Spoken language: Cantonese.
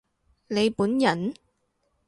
你本人？